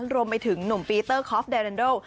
รวมไปถึงหนุ่มปีเตอร์คอฟแดรันโด